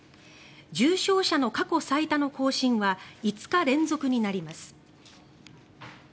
重症者の過去最多の更新は５日連続になります。